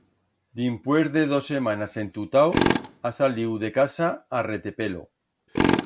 Dimpués de dos semanas entutau, ha saliu de casa a retepelo.